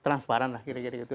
transparan lah kira kira gitu